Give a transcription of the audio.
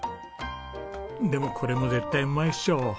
でもこれも絶対うまいでしょ。